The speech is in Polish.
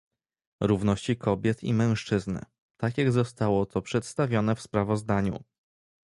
Równości Kobiet i Mężczyzn", tak jak zostało to przedstawione w sprawozdaniu